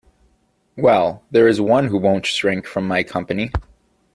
Well, there is one who won’t shrink from my company!